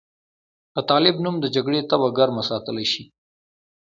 د طالب نوم د جګړې تبه ګرمه ساتلی شي.